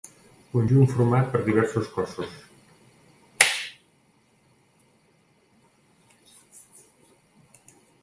Conjunt format per diversos cossos.